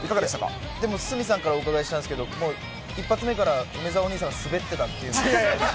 でも鷲見さんからお伺いしたんですけど、一発目から梅澤お兄さん、滑ってたということで。